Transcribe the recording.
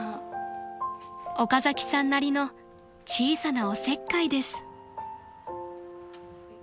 ［岡崎さんなりの小さなおせっかいです］